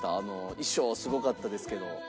衣装すごかったですけど。